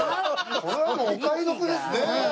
これはもうお買い得ですよね。